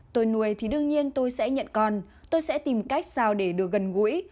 tôi nuôi thì đương nhiên tôi sẽ nhận con tôi sẽ tìm cách sao để được gần gũi